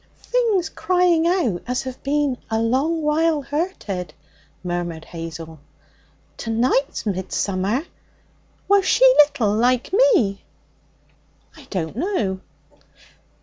'Things crying out as have been a long while hurted,' murmured Hazel. 'To night's Midsummer. Was she little, like me?' 'I don't know.'